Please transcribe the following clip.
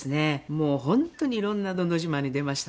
もう本当にいろんなのど自慢に出ましたね。